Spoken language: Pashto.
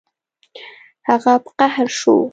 هغه په قهر شو